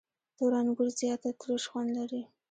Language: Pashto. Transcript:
• تور انګور زیاتره تروش خوند لري.